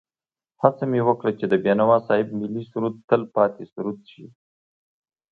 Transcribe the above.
هڅه مې وکړه چې د بېنوا صاحب ملي سرود تل پاتې سرود شي.